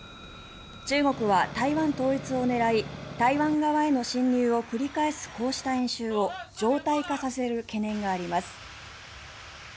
中国は台湾統一を狙い台湾側への進入を繰り返すこうした演習を常態化させる懸念があります。